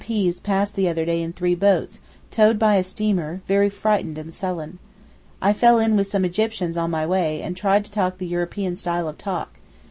P.'s passed the other day in three boats, towed by a steamer, very frightened and sullen. I fell in with some Egyptians on my way, and tried the European style of talk.